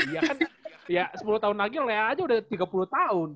dia kan ya sepuluh tahun lagi oleh aja udah tiga puluh tahun